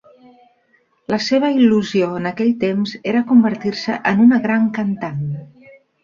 La seva il·lusió en aquell temps era convertir-se en una gran cantant.